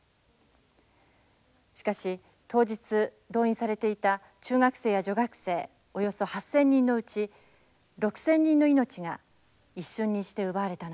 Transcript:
しかし当日動員されていた中学生や女学生およそ８，０００人のうち６，０００人の命が一瞬にして奪われたのです。